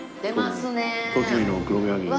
栃木の黒毛和牛ね。